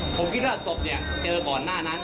ผมคิดว่าศพเนี่ยเจอก่อนหน้านั้น